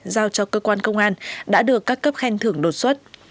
giao cho cơ quan công an đã được các cấp khen thưởng đột xuất